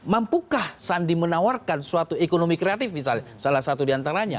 mampukah sandi menawarkan suatu ekonomi kreatif misalnya salah satu diantaranya